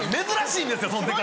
珍しいんですよ